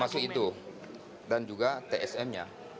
termasuk itu dan juga tsm nya